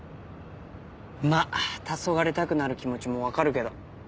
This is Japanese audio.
まったそがれたくなる気持ちも分かるけど。